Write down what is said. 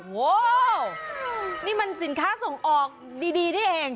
โอ้โหนี่มันสินค้าส่งออกดีนี่เอง